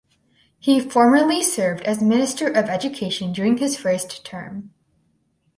He formerly served as Minister of Education during his first term.